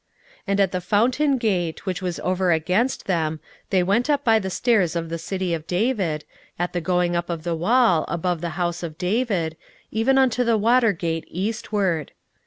16:012:037 And at the fountain gate, which was over against them, they went up by the stairs of the city of David, at the going up of the wall, above the house of David, even unto the water gate eastward.